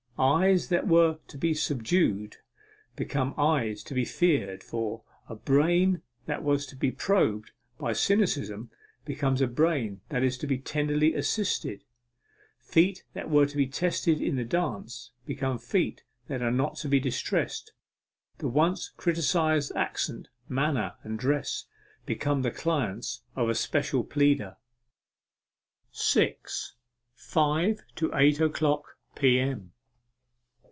Eyes that were to be subdued become eyes to be feared for: a brain that was to be probed by cynicism becomes a brain that is to be tenderly assisted; feet that were to be tested in the dance become feet that are not to be distressed; the once criticized accent, manner, and dress, become the clients of a special pleader. 6. FIVE TO EIGHT O'CLOCK P.M.